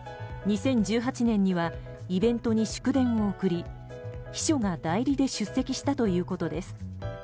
２０１８年にはイベントに祝電を送り秘書が代理で出席したということです。